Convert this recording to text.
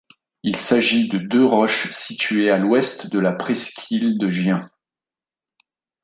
Il s'agit de deux roches situées à l'ouest de la presqu'île de Giens.